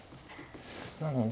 なので。